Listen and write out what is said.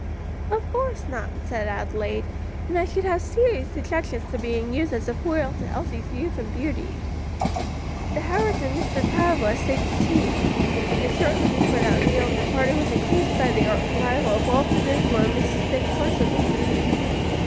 "Of course not," said Adelaide; "and I should have serious objections to being used as a foil to Elsie's youth and beauty." The Howards and Mr. Travilla stayed to tea, and shortly before that meal the party was increased by the arrival of Walter Dinsmore and Mrs. Dick Percival.